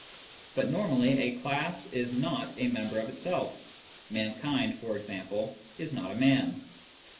But normally a class is not a member of itself. Mankind, for example, is not a man.